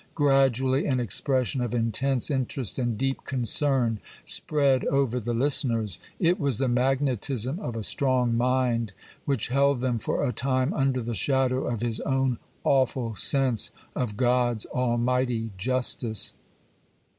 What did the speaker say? Gradually an expression of intense interest and deep concern spread over the listeners; it was the magnetism of a strong mind, which held them for a time under the shadow of his own awful sense of God's almighty justice.